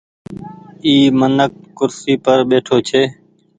اي منک ڪرسي پر ٻيٺو ڇي۔